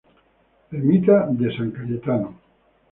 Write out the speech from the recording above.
Ermita de S. Cayetano.